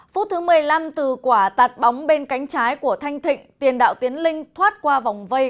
phút thứ một mươi năm từ quả tạt bóng bên cánh trái của thanh thịnh tiền đạo tiến linh thoát qua vòng vây